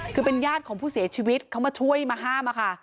คือเป็นญาติของผู้เสียชีวิตเขามาช่วยมาห้ามอะค่ะ